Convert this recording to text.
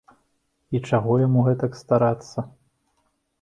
І чаго яму гэтак старацца?